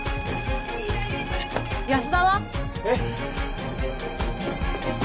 安田は？え？